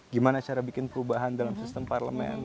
gimana cara bikin perubahan dalam sistem parlemen